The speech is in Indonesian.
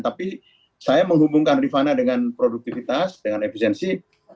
tapi saya menghubungkan rifana dengan produktivitas dengan efisiensi